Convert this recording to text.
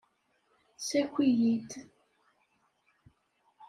Ssaki-iyi-d.